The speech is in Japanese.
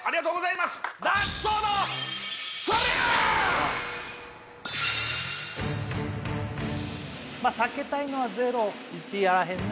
まあ避けたいのは０１ら辺ね